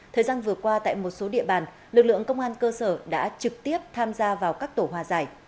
thời gian vừa qua tại một số địa bàn lực lượng công an cơ sở đã trực tiếp tham gia vào các tổ hòa giải